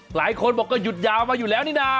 หลายคนบอกก็หยุดยาวมาอยู่แล้วนี่นะ